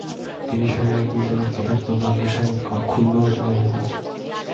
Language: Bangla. তিনি শরীরের একবিন্দু রক্ত থাকতেও বাংলার স্বাধীনতাকে ক্ষুণ্ন হতে দেবেন না।